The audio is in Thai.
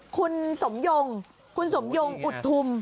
คุณสมยงคุณสมยงอุดทุม